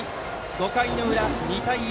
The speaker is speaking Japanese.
５回の裏、２対１。